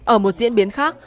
ở một diễn biến khác